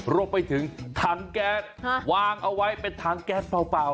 รวมไปถึงถังแก๊สวางเอาไว้เป็นถังแก๊สเปล่า